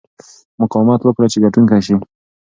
مقاومت وکړه چې ګټونکی شې.